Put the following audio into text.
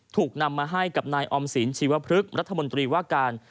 ถูกนำมาให้กับนายออมสินชีวพฤกษ์รัฐมนตรีว่าการ